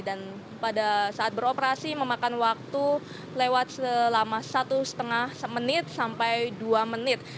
dan pada saat beroperasi memakan waktu lewat selama satu lima menit sampai dua menit